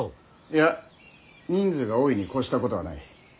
いや人数が多いに越したことはない。